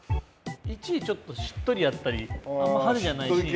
１位ちょっとしっとりやったりあんま派手じゃないシーン。